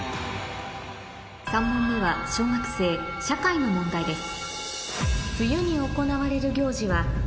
３問目は小学生社会の問題です